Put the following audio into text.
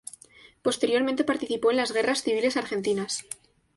Posteriormente participó en las guerras civiles argentinas.